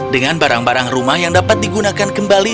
dengan barang barang rumah yang dapat digunakan kembali